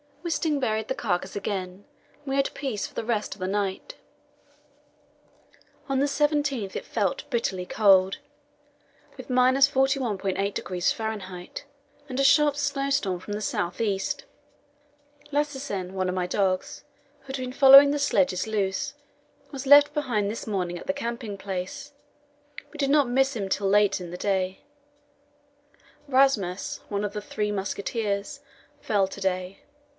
Wisting buried the carcass again, and we had peace for the rest of the night. On the 17th it felt bitterly cold, with 41.8° F., and a sharp snowstorm from the south east. Lassesen, one of my dogs, who had been following the sledges loose, was left behind this morning at the camping place; we did not miss him till late in the day. Rasmus, one of the "Three Musketeers," fell to day.